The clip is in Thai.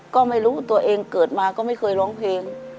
ก็ไม่รู้ตัวเองเกิดมาก็ไม่เคยร้องเพลง